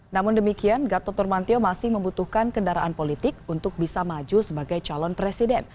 namun demikian gatot nurmantio masih membutuhkan kendaraan politik untuk bisa maju sebagai calon presiden